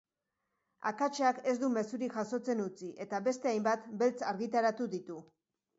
Akatsak ez du mezurik jasotzen utzi eta beste hainbat, beltz argitaratu ditu.